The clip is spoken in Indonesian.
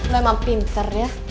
lo emang pinter ya